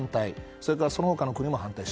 それから、その他の国も反対と。